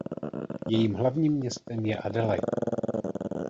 Jejím hlavním městem je Adelaide.